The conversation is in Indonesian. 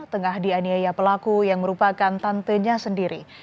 tengah dianiaya pelaku yang merupakan tantenya sendiri